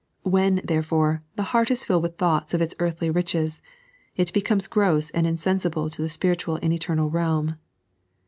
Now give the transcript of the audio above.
When, therefore, the heart is filled with thoughts of its earthly riches, it becomes gross and insensible to the spiritual and eternal realm.